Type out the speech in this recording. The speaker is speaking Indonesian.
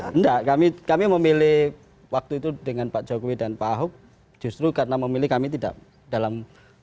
enggak kami memilih waktu itu dengan pak jokowi dan pak ahok justru karena memilih kami tidak dalam